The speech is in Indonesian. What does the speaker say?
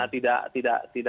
tidak sedikit gitu